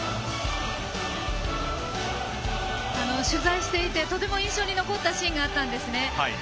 取材していて、とても印象に残ったシーンがあったんですね。